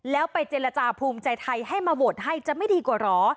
แล้วไปเจรจาภูมิใจไทยให้มาโหวตให้จะไม่ดีกว่าเหรอ